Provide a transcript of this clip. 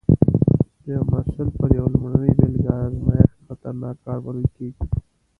د یو محصول پر یوه لومړنۍ بېلګه ازمېښت خطرناک کار بلل کېږي.